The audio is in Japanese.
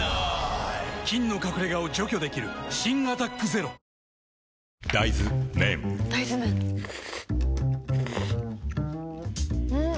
菌の隠れ家を除去できる新「アタックＺＥＲＯ」大豆麺ん？